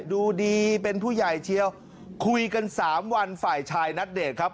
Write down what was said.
ดูดีเป็นผู้ใหญ่เชียวคุยกันสามวันฝ่ายชายนัดเดทครับ